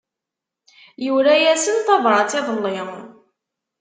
Yura-asen tabrat iḍelli.